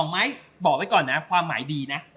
ไหมบอกไว้ก่อนนะความหมายดีนะ